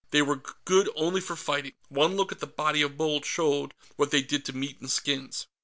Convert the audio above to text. They were good only for fighting one look at the body of Bold showed what they did to meat and skins.